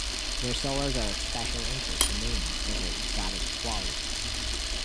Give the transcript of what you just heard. Their solos are of special interest to many for their exotic qualities.